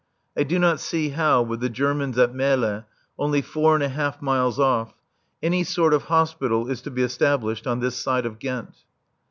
I do not see how, with the Germans at Melle, only four and a half miles off, any sort of hospital is to be established on this side of Ghent.